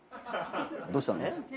どうしたの？